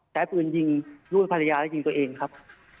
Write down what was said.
ใช้ปืนยิงลูกภรรยาและยิงตัวเองครับ